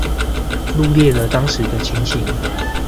錄裂了當時的情形